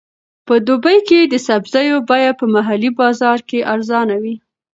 په دوبي کې د سبزیو بیه په محلي بازار کې ارزانه وي.